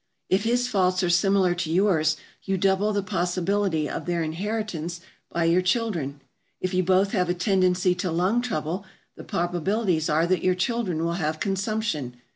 If his faults are similar to yours, you double the possibility of their inheritance by your children. If you both have a tendency to lung trouble, the probabilities are that your children will have consumption.